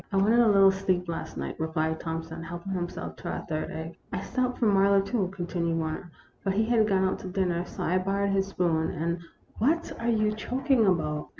" I wanted a little sleep last night, " replied Thompson, helping himself to a third egg. " I stopped for Marlowe, too, " continued War ner, "but he had gone out to dinner, so I bor rowed his spoon, and what are you choking about